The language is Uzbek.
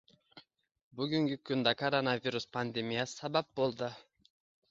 Bugungi kunda koronavirus pandemiyasi sabab bo'ldi